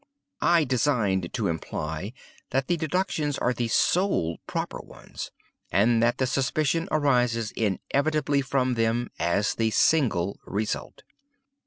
I designed to imply that the deductions are the sole proper ones, and that the suspicion arises inevitably from them as the single result.